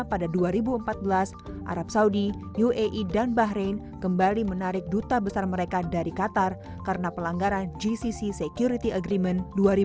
pada dua ribu empat belas arab saudi uae dan bahrain kembali menarik duta besar mereka dari qatar karena pelanggaran gcc security agreement dua ribu delapan belas